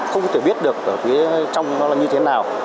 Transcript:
không thể biết được ở trong nó là như thế nào